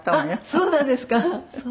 そうなんですか。